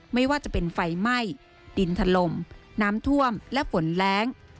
ไม่ว่าจะเป็นไฟไหม้ดินถล่มน้ำท่วมและฝนแรง